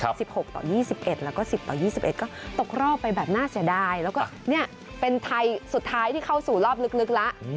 แล้วก็๑๐ต่อ๒๑ก็ตกรอบไปแบบน่าเสียดายแล้วก็เป็นไทยสุดท้ายที่เข้าสู่รอบลึกละ